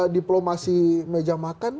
diplomasi meja makan